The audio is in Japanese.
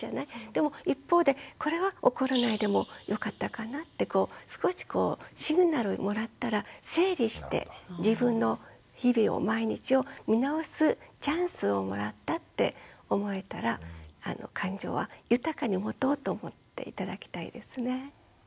でも一方でこれは怒らないでもよかったかなってこう少しこうシグナルもらったら整理して自分の日々を毎日を見直すチャンスをもらったって思えたら感情は豊かに持とうと思って頂きたいですね。